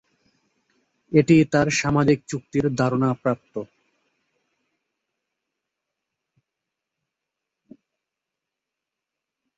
এটি তার সামাজিক চুক্তির ধারণা প্রাপ্ত।